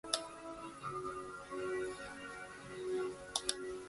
Trevor Brooking was runner up as Hammer of the Year.